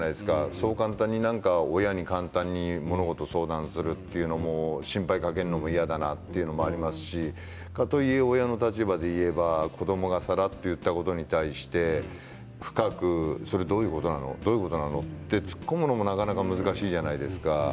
そう簡単に親に物事を相談するということも心配かけるのも嫌だということもありますし親の立場で言えば子どもがサラッと言ったことに対してそれどういうことなの？と突っ込むのもなかなか難しいじゃないですか。